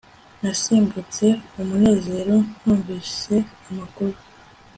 Nasimbutse umunezero numvise amakuru